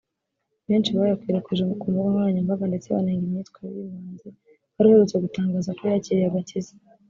benshi bayakwirakwije ku mbuga nkoranyambaga ndetse banenga imyitwarire y’uyu muhanzi wari uherutse gutangaza ko yakiriye agakiza